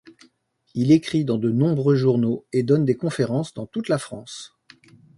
Il écrit dans de nombreux journaux et donne des conférences dans toute la France.